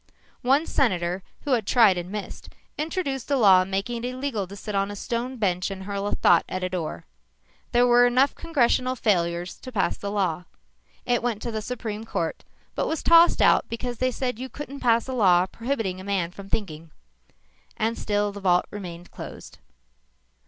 One senator, who had tried and missed, introduced a law making it illegal to sit on a stone bench and hurl a thought at a door. There were enough congressional failures to pass the law. It went to the Supreme Court, but was tossed out because they said you couldn't pass a law prohibiting a man from thinking. And still the vault remained closed.